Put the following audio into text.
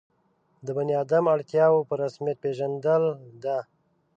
د بني آدم اړتیاوو په رسمیت پېژندل ده.